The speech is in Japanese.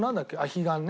彼岸ね。